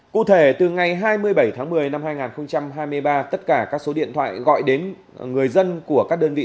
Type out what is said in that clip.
cụ thể từ ngày hai mươi bảy tháng một mươi năm hai nghìn hai mươi ba tất cả các số điện thoại gọi đến người dân của các đơn vị